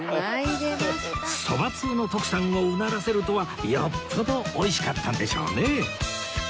そば通の徳さんをうならせるとはよっぽどおいしかったんでしょうね